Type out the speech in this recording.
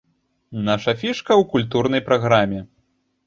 Наша фішка ў культурнай праграме.